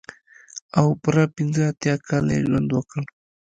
او پوره پنځه اتيا کاله يې ژوند وکړ.